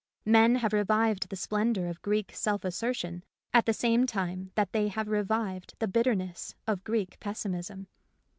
Men have revived the splendour of Greek self assertion at the same time that they have revived the bitterness of Greek pessimism.